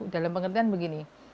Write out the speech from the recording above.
dalam pengertian begini